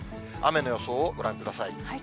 雨の予想をご覧ください。